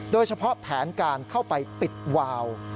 โดยเฉพาะแผนการเข้าไปปิดวาว